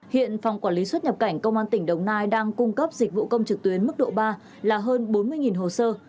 hiện phòng quản lý xuất nhập cảnh công an tỉnh đồng nai đang cung cấp dịch vụ công trực tuyến mức độ ba là hơn bốn mươi hồ sơ